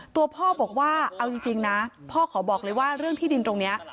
ตัวพ่อบอกว่าเอาจริงนะพ่อขอบอกเลยว่าเรื่องที่ดินตรงนี้